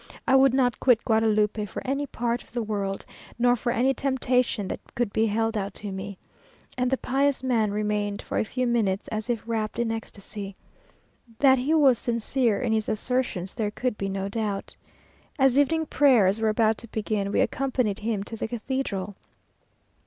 I would not quit Guadalupe for any other part of the world, nor for any temptation that could be held out to me;" and the pious man remained for a few minutes as if wrapt in ecstasy. That he was sincere in his assertions, there could be no doubt. As evening prayers were about to begin, we accompanied him to the cathedral.